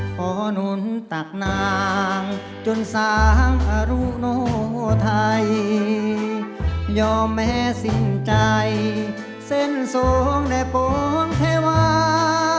พอหนุนตักนางจนสางอรุโนไทยยอมแม้สิ้นใจเส้นทรงแด่ปองเทวา